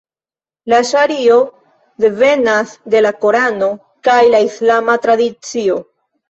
La ŝario devenas de la Korano kaj de la islama tradicio.